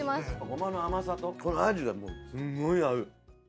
ゴマの甘さとこのアジがすんごい合う。